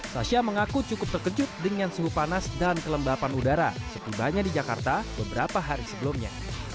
sasya mengaku cukup terkejut dengan suhu panas dan kelembapan udara setibanya di jakarta beberapa hari sebelumnya